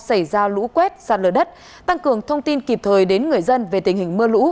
xảy ra lũ quét sạt lở đất tăng cường thông tin kịp thời đến người dân về tình hình mưa lũ